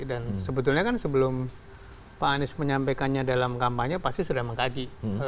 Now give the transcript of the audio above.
dan sebetulnya kan sebelum pak anis menyampaikannya dalam kampanye pasti sudah mengkaji